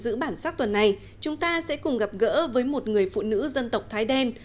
trong bản sắc tuần này chúng ta sẽ cùng gặp gỡ với một người phụ nữ dân tộc thái đen